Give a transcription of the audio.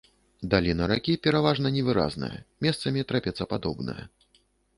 Даліна ракі пераважна невыразная, месцамі трапецападобная.